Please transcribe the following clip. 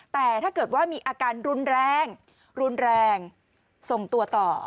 แต่ถ้าเกิดว่ามีอาการรุนแรงรุนแรงส่งตัวต่อ